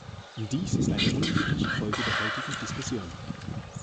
Dies ist eine unglückliche Folge der heutigen Diskussion.